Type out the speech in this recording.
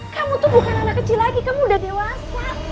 kamu tuh bukan anak kecil lagi kamu udah dewasa